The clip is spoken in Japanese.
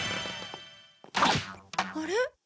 あれ？